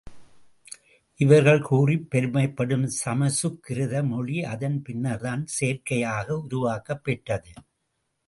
இவர்கள் கூறிப் பெருமைப்படும் சமசுக்கிருத மொழி அதன் பின்னர்தான் செயற்கையாக உருவாக்கப் பெற்றது.